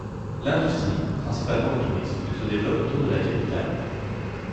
L'industrie, principalement le tourisme, se développe autour de la capitale.